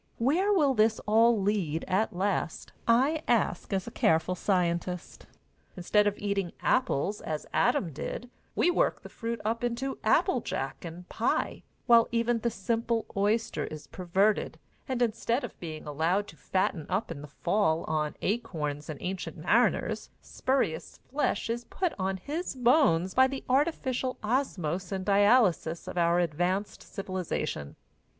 Where will this all lead at last, I ask as a careful scientist? Instead of eating apples, as Adam did, we work the fruit up into apple jack and pie, while even the simple oyster is perverted, and instead of being allowed to fatten up in the fall on acorns and ancient mariners, spurious flesh is put on his bones by the artificial osmose and dialysis of our advanced civilization.